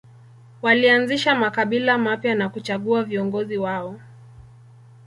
Walianzisha makabila mapya na kuchagua viongozi wao.